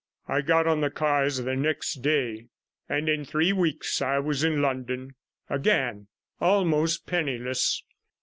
32 I got on the cars the next day, and in three weeks I was in London; again almost penniless.